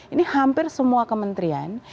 ini hampir semua kementrian